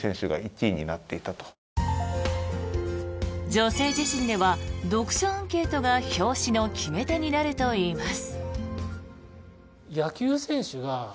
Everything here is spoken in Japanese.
「女性自身」では読者アンケートが表紙の決め手になるといいます。